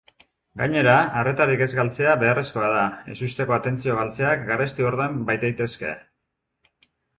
Gainera, arretarik ez galtzea beharrezkoa da, ezusteko atentzio-galtzeak garesti ordain baitaitezke.